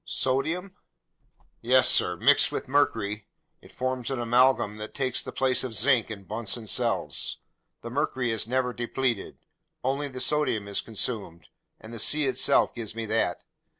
"Sodium?" "Yes, sir. Mixed with mercury, it forms an amalgam that takes the place of zinc in Bunsen cells. The mercury is never depleted. Only the sodium is consumed, and the sea itself gives me that.